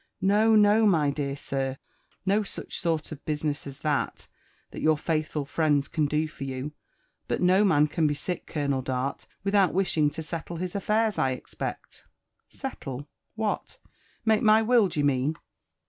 '' No, no, my dear sir, — no such sort of business as that ; thai your faithful friends can do for you; but no^man can be sick. Colonel Dart, without wishing to settle his. affairs, I expect." Settle? — what? — make my will, d'ye mean?